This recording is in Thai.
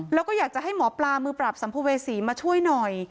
แล้วก็อยากจะให้หมอปลามือปราบสัมภเวษีมาช่วยหน่อย